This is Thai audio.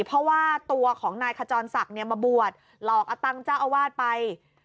เพราะว่าตัวของนายขจรศักดิ์มาบวชหลอกอตังเจ้าอาวาสไป